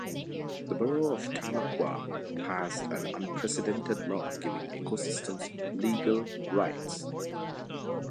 The borough of Tamaqua passed an unprecedented law giving ecosystems legal rights.